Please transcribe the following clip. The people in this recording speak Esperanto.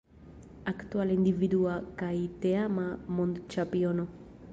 Aktuala individua kaj teama mondĉampiono.